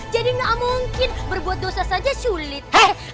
jadi gak mungkin berbuat dosa saja sulit